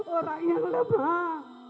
orang yang lemah